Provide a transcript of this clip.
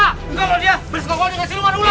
jangan loh dia beres kokohnya dengan siluman ular